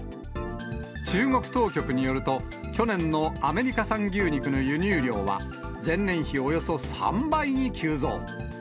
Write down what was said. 中国当局によると、去年のアメリカ産牛肉の輸入量は、前年比およそ３倍に急増。